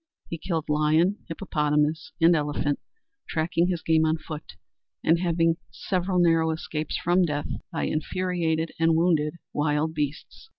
He killed lion, hippopotamus and elephant, tracking his game on foot and having several narrow escapes from death by infuriated and wounded wild beasts.